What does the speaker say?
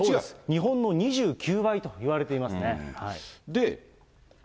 日本の２９倍といわれてますね。